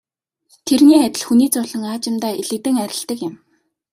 Тэрний адил хүний зовлон аажимдаа элэгдэн арилдаг юм.